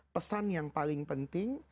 pesan yang paling penting